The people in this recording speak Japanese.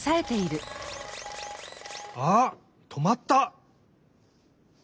あっとまった！